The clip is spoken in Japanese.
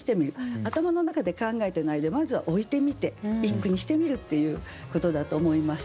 頭の中で考えてないでまずは置いてみて一句にしてみるっていうことだと思います。